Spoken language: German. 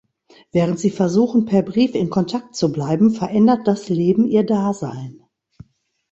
Während sie versuchen, per Brief in Kontakt zu bleiben, verändert das Leben ihr Dasein.